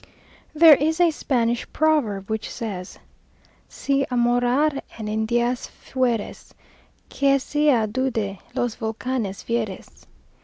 There is a Spanish proverb which says, "Si a morar en Indías feures, Que sea doude los volcanes vieres."